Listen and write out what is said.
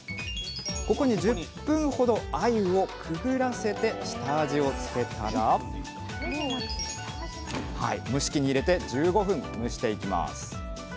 ここに１０分ほどあゆをくぐらせて下味をつけたら蒸し器に入れて１５分蒸していきます。